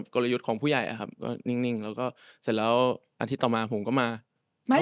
กลยุทธ์ของผู้ใหญ่ครับ